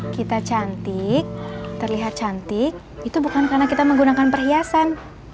kita cantik terlihat cantik itu bukan karena kita menggunakan perhiasan